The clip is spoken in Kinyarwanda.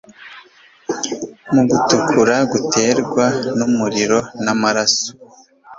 Mu gutukura guterwa numuriro namaraso